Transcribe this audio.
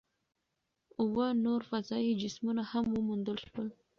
اووه نور فضايي جسمونه هم وموندل شول.